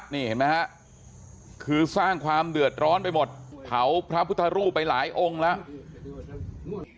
นี่เห็นไหมฮะคือสร้างความเดือดร้อนไปหมดเผาพระพุทธรูปไปหลายองค์แล้ว